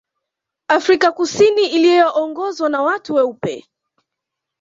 Afrika Kusini iliyoongozwa na watu weupe